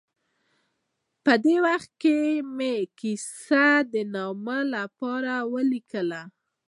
دې وخت کې مې د کیسې د نامه لپاره ولیکل.